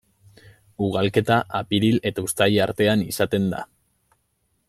Ugalketa apiril eta uztaila artean izaten da.